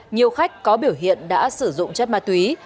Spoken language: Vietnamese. nhiều khách có biểu hiện đã sử dụng chất ma túy